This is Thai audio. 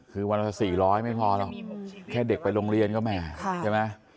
คือวันสัก๔๐๐ไม่พอหรอกแค่เด็กไปโรงเรียนก็แหม